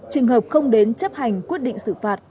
trường hợp không đến chấp hành quyết định xử phạt